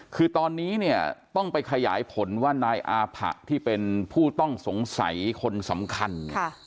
คือตอนนี้เนี่ยต้องไปขยายผลว่านายอาผะที่เป็นผู้ต้องสงสัยคนสำคัญ